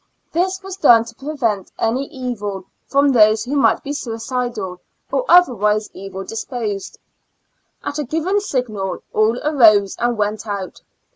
This was done to prevent any evil from those who might be suicidal or otherwise evil disposed. At a given signal, all arose and went out.